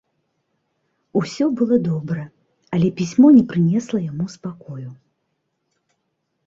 Усё было добра, але пісьмо не прынесла яму спакою.